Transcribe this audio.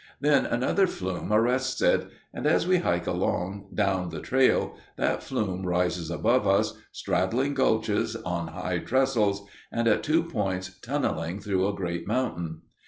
Then another flume arrests it; and as we hike along down the trail, that flume rises above us, straddling gulches on high trestles, and at two points tunneling through a great mountain.